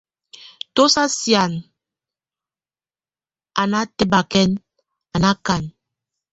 Tu sa sían a natebakɛn, a nákan.